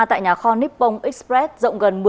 tại nhà kho nippon express rộng gần một mươi m hai